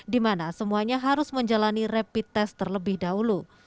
di mana semuanya harus menjalani rapid test terlebih dahulu